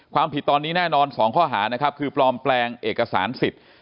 ความผิดตอนนี้แน่นอน๒ข้อหานะครับคือปลอมแปลงเอกสารสิทธิ์